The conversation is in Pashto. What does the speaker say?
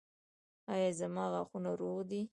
ایا زما غاښونه روغ دي؟